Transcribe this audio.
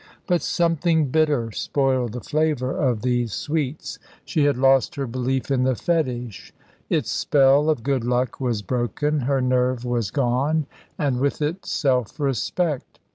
But something bitter spoiled the flavour of these sweets. She had lost her belief in the fetish; its spell of good luck was broken; her nerve was gone, and with it self respect.